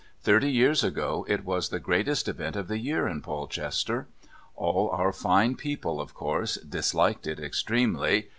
Thirty years ago it was the greatest event of the year in Polchester. All our fine people, of course, disliked it extremely.